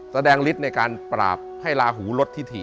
แสดงฤทธิ์ในการปราบให้ลาหูลดทิถิ